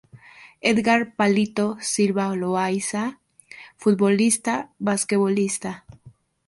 Edgar "Palito" Silva Loaiza, futbolista, basquetbolista.